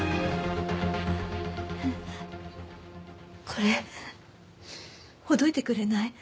これほどいてくれない？